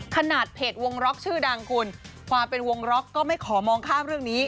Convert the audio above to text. ขนาดเพจวงล็อกชื่อดังคุณความเป็นวงล็อกก็ไม่ขอมองข้ามเรื่องนี้